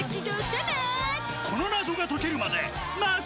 この謎が解けるまで